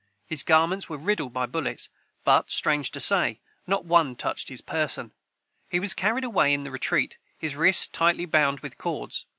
His garments were riddled by bullets, but, strange to say, not one touched his person. He was carried away in the retreat, his wrists tightly bound with cords.